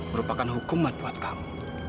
merupakan hukuman buat kamu